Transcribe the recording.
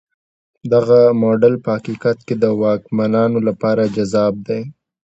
دغه موډل په حقیقت کې د واکمنانو لپاره جذاب دی.